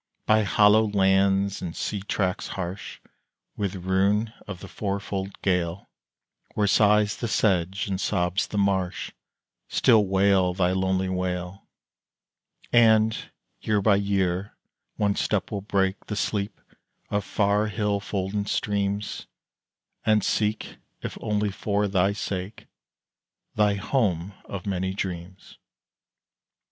By hollow lands and sea tracts harsh, With ruin of the fourfold gale, Where sighs the sedge and sobs the marsh, Still wail thy lonely wail; And, year by year, one step will break The sleep of far hill folded streams, And seek, if only for thy sake Thy home of many dreams.